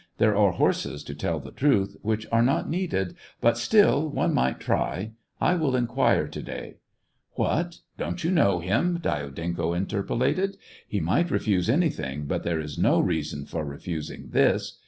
"There are horses, to tell the truth, which are not needed, but still one might try; I will inquire to day." " What ! Don't you know him t " Dyadenko in 212 S^ VASTOPOL IN A UGC/ST. terpolated. "He might refuse anything, but there is no reason for refusing this.